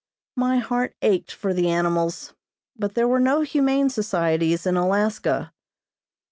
My heart ached for the animals, but there were no humane societies in Alaska.